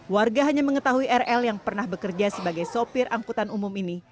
warga hanya mengetahui rl yang pernah bekerja sebagai sopir angkutan umum ini